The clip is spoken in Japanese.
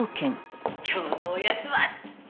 今日のおやつはジャン！